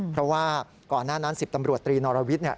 เพราะว่าก่อนหน้านั้น๑๐ตำรวจ๓นวิทย์